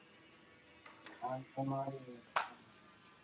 An ema adhii yalo e kanisa